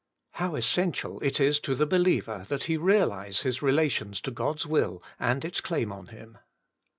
5. How essential it is to the believer that he realise his relations to God's will, and its claim on him.